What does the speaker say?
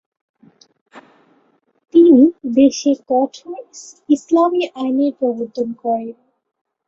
তিনি দেশে কঠোর ইসলামী আইনের প্রবর্তন করেন।